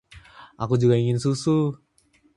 Aku juga ingin susu.